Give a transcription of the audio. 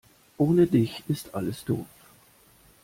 Ohne dich ist alles doof.